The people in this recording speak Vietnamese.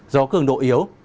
gió cường độ yếu